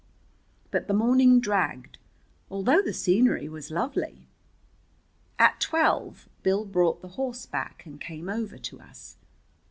But the morning dragged, although the scenery was lovely. At twelve Bill brought the horse back and came over to us.